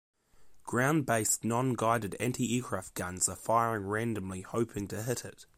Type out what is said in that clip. Ground based non-guided antiaircraft guns are firing randomly hoping to hit it.